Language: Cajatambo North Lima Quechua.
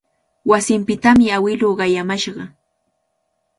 Wasinpitami awiluu qayamashqa.